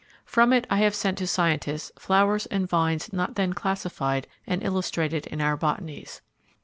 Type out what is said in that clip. From it I have sent to scientists flowers and vines not then classified and illustrated in our botanies.